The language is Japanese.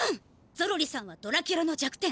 ゾロリさんはドラキュラの弱点